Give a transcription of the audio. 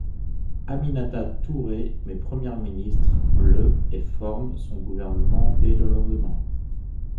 Aminata Touré est nommée Première ministre le et forme son gouvernement dès le lendemain.